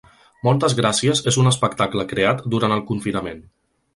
Moltes gràcies és un espectacle creat durant el confinament.